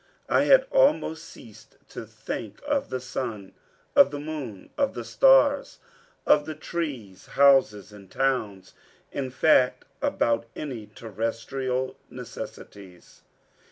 I had almost ceased to think of the sun, of the moon, of the stars, of the trees, houses, and towns; in fact, about any terrestrial necessities.